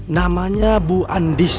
namanya bu andis